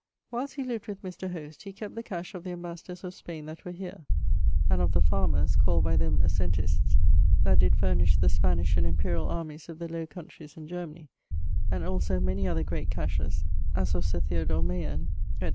Whilest he lived with Mr. Hoste, he kept the cash of the ambassadors of Spaine that were here; and of the farmers, called by them Assentistes, that did furnish the Spanish and Imperiall armies of the Low Countreys and Germany; and also many other great cashes, as of Sir Theodore Mayern, etc.